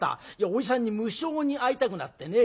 おじさんに無性に会いたくなってね。